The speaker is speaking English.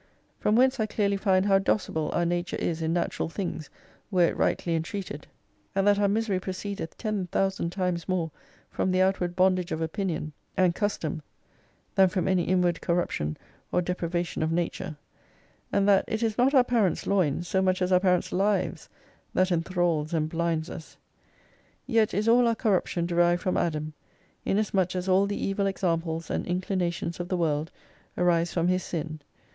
From whence I clearly find how docible our Nature is in natural things, were it rightly entreated. And that our misery proceedeth ten thousand times more from the outward bondage of opinion and 163 custom, than from any inward corruption or deprava tion of Nature : And that it is not our parents' loins, so much as our parents' lives, that enthrals and blinds us. Yet is all our corruption derived from Adam : inasmuch as all the evil examples and inclinations of the world arise from his sin.